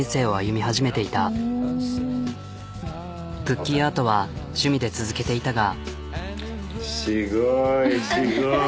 クッキーアートは趣味で続けていたが。